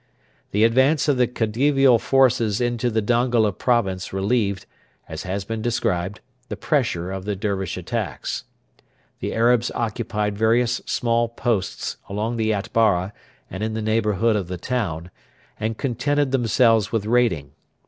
The advance of the Khedivial forces into the Dongola province relieved, as has been described, the pressure of the Dervish attacks. The Arabs occupied various small posts along the Atbara and in the neighbourhood of the town, and contented themselves with raiding.